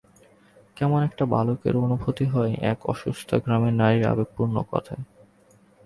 কেমন একটা বালকত্বের অনুভূতি হয় এক অসুস্থা গ্রাম্য নারীর আবেগপূর্ণ কথায়।